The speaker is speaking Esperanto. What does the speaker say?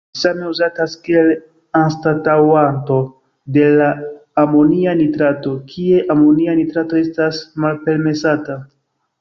Ĝi same uzatas kiel anstataŭanto de la amonia nitrato, kie amonia nitrato estas malpermesata.